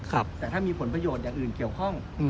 แต่ถ้ามีผลประโยชน์อย่างอื่นเกี่ยวข้อง